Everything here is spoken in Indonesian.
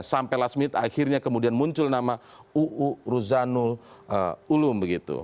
sampai last minute akhirnya kemudian muncul nama uu ruzanul ulum begitu